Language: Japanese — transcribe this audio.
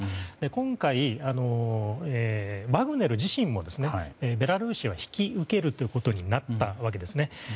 今回、ワグネル自身もベラルーシは引き受けるということになったわけですね。